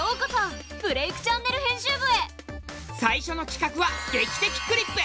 最初の企画は「劇的クリップ」。